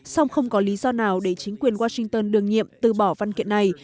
xong không có lý do nào để chính quyền washington đương nhiệm từ bỏ văn kiện này